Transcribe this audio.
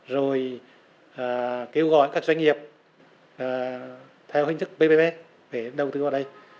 rồi kêu gọi các doanh nghiệp theo hình thức ppp để đầu tư vào đây